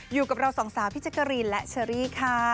อยู่กับเราสองสาวพี่แจ๊กกะรีนและเชอรี่ค่ะ